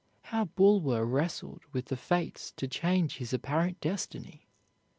How Bulwer wrestled with the fates to change his apparent destiny!